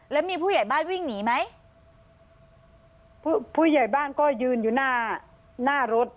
แล้วมีผู้ใหญ่บ้านวิ่งหนีไหมผู้ผู้ใหญ่บ้านก็ยืนอยู่หน้าหน้ารถ